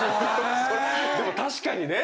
でも確かにね。